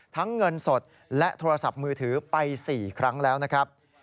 เงินสดและโทรศัพท์มือถือไป๔ครั้งแล้วนะครับ